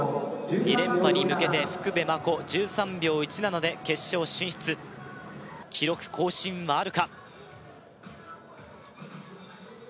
２連覇に向けて福部真子１３秒１７で決勝進出記録更新もあるか？